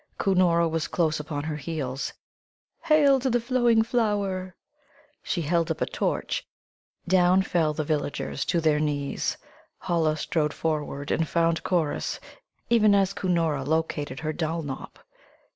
Cunora was close upon her heels. "Hail to the flowing flower!" She held up a torch. Down fell the villagers to their knees. Holla strode forward and found Corrus, even as Cunora located her Dulnop.